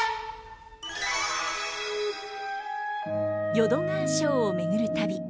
「淀川抄」を巡る旅。